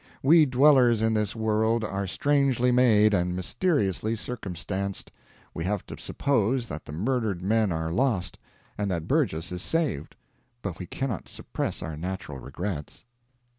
We dwellers in this world are strangely made, and mysteriously circumstanced. We have to suppose that the murdered men are lost, and that Burgess is saved; but we cannot suppress our natural regrets.